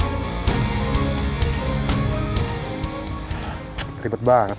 saya mohon pak saya bukan pelakunya